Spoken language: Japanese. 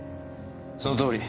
そのとおり。